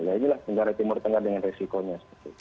ya inilah negara timur tengah dengan resikonya